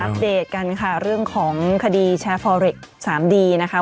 อัพเดทกันค่ะเรื่องของคดีแชร์ฟอเร็กสามดีนะคะ